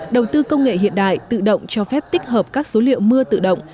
đầu tư công nghệ hiện đại tự động cho phép tích hợp các số liệu mưa tự động